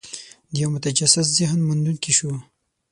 د یوه متجسس ذهن موندونکي شو.